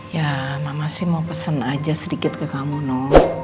ya mama sih mau pesen aja sedikit ke kamu no